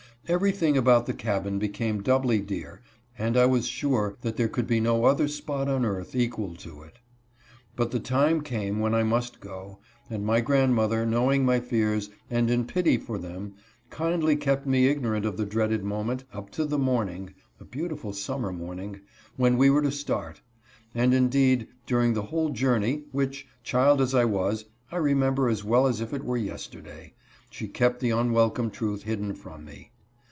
Everything about the cabin became doubly dear and I was sure that there could be no other spot on earth equal to it. But the time came when I must go, and my grandmother, knowing my fears, and in pity for them, kindly kept me ignorant of the dreaded moment up to the morning (a beautiful summer morning) when we were to start ; and, indeed, during the whole journey, which, child as I was, I remember as well as if it were yesterday, she kept the unwelcome truth hidden from me.